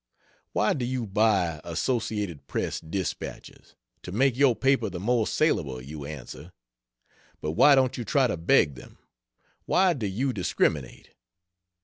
Why do you buy Associated Press dispatches? To make your paper the more salable, you answer. But why don't you try to beg them? Why do you discriminate?